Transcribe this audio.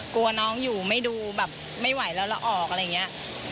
กลัวน้องอยู่ไม่ดูแบบไม่ไหวแล้วแล้วออกอะไรอย่างนี้